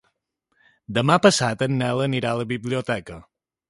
Demà passat en Nel anirà a la biblioteca.